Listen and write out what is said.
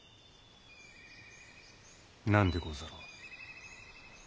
何でござろう。